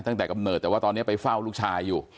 ตั้งแต่กำเนิดแต่ว่าตอนเนี้ยไปเฝ้าลูกชายอยู่